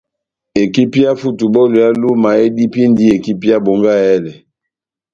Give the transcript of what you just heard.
Ekipi ya Futubὸlu ya Luma edipindi ekipi ya Bongahèlè.